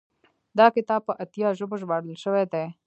دا کتاب په اتیا ژبو ژباړل شوی دی.